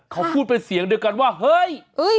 เขาพูดเป็นเสียงเดียวกันว่าเฮ้ย